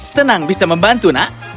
senang bisa membantu nak